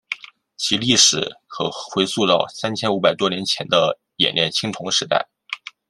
其历史可回溯到三千五百多年前的冶炼青铜时代。